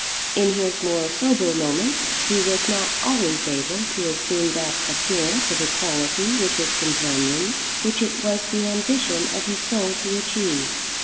In his more sober moments he was not always able to assume that appearance of equality with his companions which it was the ambition of his soul to achieve.